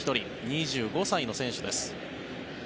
２５歳の選手です。